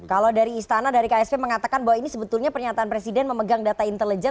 kalau dari istana dari ksp mengatakan bahwa ini sebetulnya pernyataan presiden memegang data intelijen